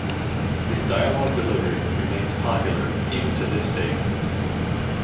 His dialogue delivery remains popular even to this date.